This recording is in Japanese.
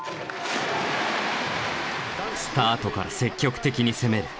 スタートから積極的に攻める。